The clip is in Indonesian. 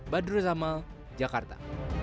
badruz amal jakarta